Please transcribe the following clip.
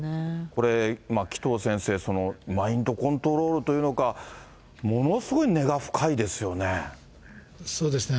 これ、紀藤先生、マインドコントロールというのか、ものすごそうですね。